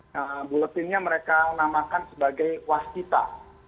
nah bulletinnya mereka namakan sebagai wastita